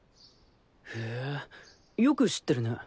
へぇよく知ってるね。